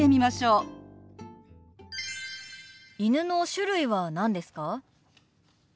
犬の種類は何ですか？